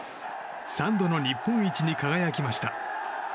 ３度の日本一に輝きました。